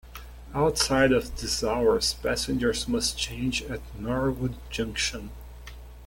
Outside of these hours passengers must change at Norwood Junction.